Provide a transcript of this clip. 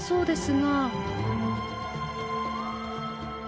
そうです。